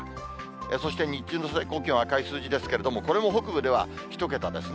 そして日中の最高気温、赤い数字ですけれども、これも北部では１桁ですね。